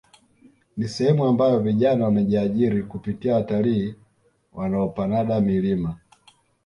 Ni sehemu ambayo vijana wamejiajiri kupitia watalii wanaopanada milima